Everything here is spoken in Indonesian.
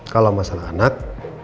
kalau masalah anak